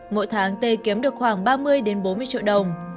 mỗi tháng tê kiếm được khoảng ba mươi bốn mươi triệu đồng